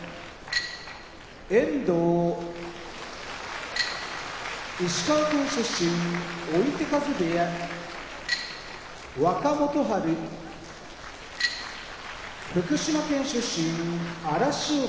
遠藤石川県出身追手風部屋若元春福島県出身荒汐部屋